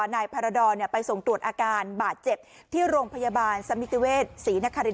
นายพารดรไปส่งตรวจอาการบาดเจ็บที่โรงพยาบาลสมิติเวศศรีนคริน